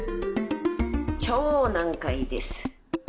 超難解です。